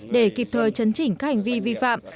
để kịp thời chấn chỉnh các hành vi vi phạm